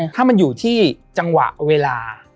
ถ้ามันอยู่ที่จังหวะเวลา